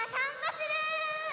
する！